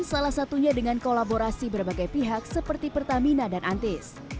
salah satunya dengan kolaborasi berbagai pihak seperti pertamina dan antis